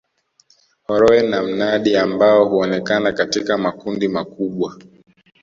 Horoe na mnandi ambao huonekana katika makundi makubwa